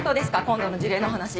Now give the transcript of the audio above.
今度の辞令の話。